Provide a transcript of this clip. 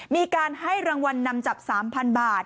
มีการให้รางวัลนำจับ๓๐๐๐บาท